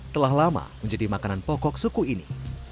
telah lama menjadi makanan pokok suku ini